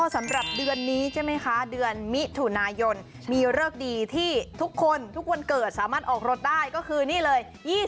สำหรับเดือนนี้ใช่ไหมคะเดือนมิถุนายนมีเลิกดีที่ทุกคนทุกวันเกิดสามารถออกรถได้ก็คือนี่เลย